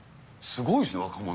すごいですね、若者。